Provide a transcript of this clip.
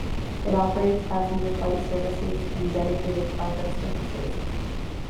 It operates passenger flight services and dedicated cargo services.